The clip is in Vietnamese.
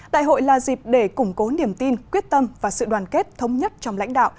đại hội là dịp để củng cố niềm tin quyết tâm và sự đoàn kết thống nhất trong lãnh đạo